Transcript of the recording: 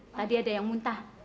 tadi ada yang muntah